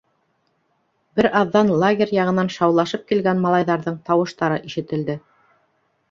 Бер аҙҙан лагерь яғынан шаулашып килгән малайҙарҙың тауыштары ишетелде.